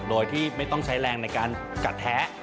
โดยที่ไม่ต้องใช้แรงในการกัดแท้